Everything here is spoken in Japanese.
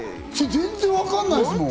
全然わかんないですもん。